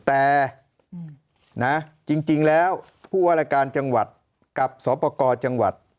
แต่จริงแล้วผู้ว่ารายการจังหวัดกับสปกรจังหวัด